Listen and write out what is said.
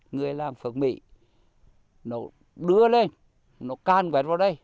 người làm phượng mỹ nó đưa lên nó can quét vào đây